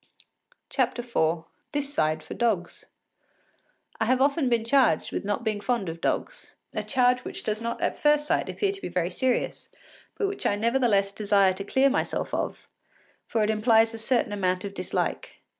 IV THIS SIDE FOR DOGS I have often been charged with not being fond of dogs; a charge which does not at first sight appear to be very serious, but which I nevertheless desire to clear myself of, for it implies a certain amount of dislike.